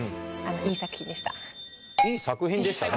いい作品でした？